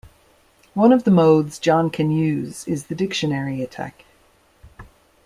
One of the modes John can use is the dictionary attack.